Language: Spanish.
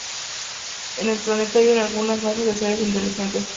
En el planeta viven algunas razas de seres inteligentes.